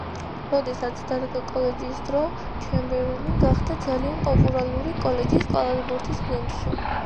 როდესაც დადგა კოლეჯის დრო, ჩემბერლენი გახდა ძალიან პოპულარული კოლეჯის კალათბურთის გუნდში.